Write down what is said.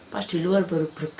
pas di luar baru